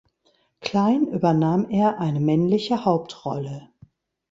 Klein" übernahm er eine männliche Hauptrolle.